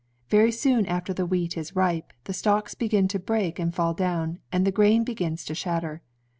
Very soon after the wheat is ripe, the stalks begin to break and faU down, and the grain begins to shatter.